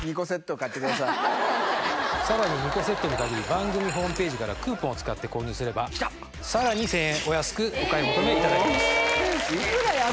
さらに２個セットに限り番組ホームページからクーポンを使って購入すればさらに１０００円お安くお買い求めいただけます。